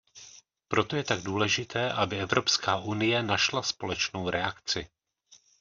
Proto je tak důležité, aby Evropská unie našla společnou reakci.